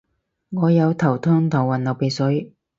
我有頭痛頭暈流鼻水